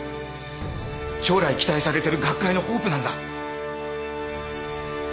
将来期待されてる学会のホープなんだ。